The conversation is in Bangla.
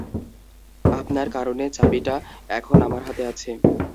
আপনার কারণে চাবিটা এখন আমার হাতে আছে।